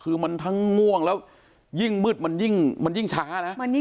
คือมันทั้งง่วงแล้วยิ่งมืดมันยิ่งมันยิ่งช้านะ